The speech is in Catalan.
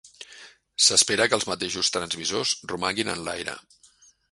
S'espera que els mateixos transmissors romanguin en l'aire.